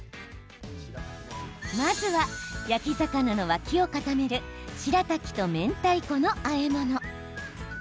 まずは、焼き魚の脇を固めるしらたきとめんたいこのあえ物。